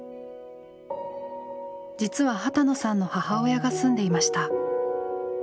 実は波多野さんの母親が住んでいました。